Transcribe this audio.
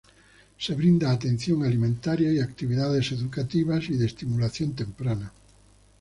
Se brinda atención alimentaria y actividades educativas y de estimulación temprana.